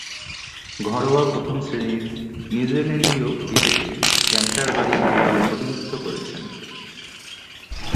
ঘরোয়া প্রথম-শ্রেণীর নিউজিল্যান্ডীয় ক্রিকেটে ক্যান্টারবারি দলের প্রতিনিধিত্ব করেছেন।